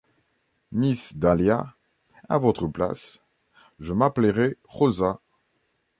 Miss Dahlia, à votre place, je m’appellerais Rosa.